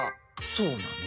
そうなの？